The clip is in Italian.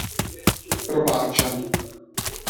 Robaccia.